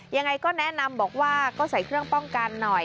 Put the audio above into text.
ยังไงก็แนะนำบอกว่าก็ใส่เครื่องป้องกันหน่อย